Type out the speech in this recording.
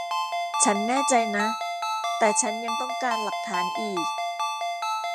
ฉันแน่ใจนะ แต่ฉันยังต้องการหลักฐานอีก